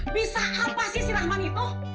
bisa apa sih si rahman itu